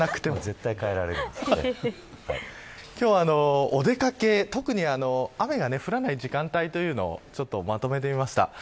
今日はお出掛け、特に雨が降らない時間帯というのをまとめてみました。